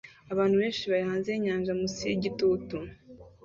Abantu benshi bari hanze yinyanja munsi yigitutu